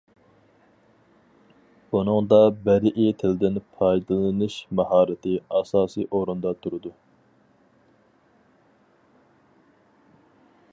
بۇنىڭدا بەدىئىي تىلدىن پايدىلىنىش ماھارىتى ئاساسىي ئورۇندا تۇرىدۇ.